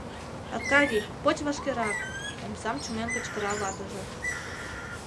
— Аркадий, поч вашкерак! — омсам чумен кычкыра ватыже.